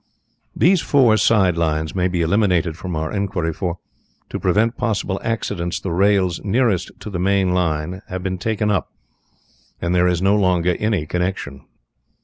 These four side lines may be eliminated from our inquiry, for, to prevent possible accidents, the rails nearest to the main line have been taken up, and there is no longer any connection.